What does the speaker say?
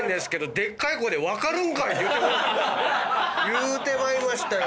言うてまいましたよ